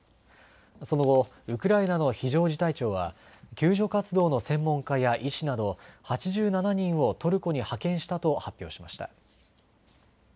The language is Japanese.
その後、ウクライナの非常事態庁は救助活動の専門家や医師など８７人をトルコに派遣したと発表しました。